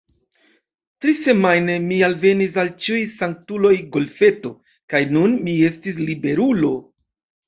Trisemajne mi alvenis al Ĉiuj Sanktuloj Golfeto, kaj nun mi estis liberulo.